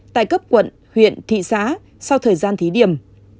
tại cấp quận huyện thị xã sau thời gian thí điểm